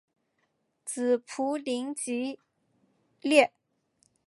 子卜怜吉歹。